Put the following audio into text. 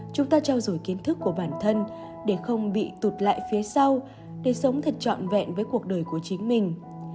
chúng ta trao dổi kiến thức của bản thân để không bị tụt lại phía sau để sống thật trọn vẹn với cuộc đời của chính mình